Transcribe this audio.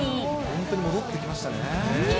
本当に戻ってきましたね。